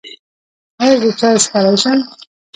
ایا زه چای څښلی شم؟